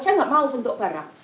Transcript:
saya nggak mau bentuk barang